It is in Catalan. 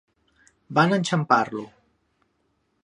Van enxampar-lo.